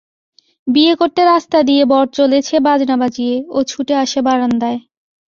বিয়ে করতে রাস্তা দিয়ে বর চলেছে বাজনা বাজিয়ে, ও ছুটে আসে বারান্দায়।